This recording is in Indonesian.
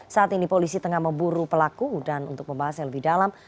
saat ini polisi tengah memburu pelaku dan untuk membahasnya lebih dalam